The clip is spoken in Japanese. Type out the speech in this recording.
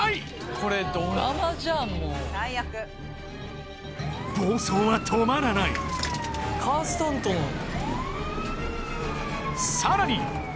これドラマじゃんもう最悪暴走は止まらないカースタントさらに！